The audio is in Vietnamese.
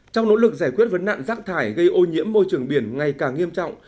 trong nỗ lực giải quyết vấn nạn rác thải gây ô nhiễm môi trường biển ngày càng nghiêm trọng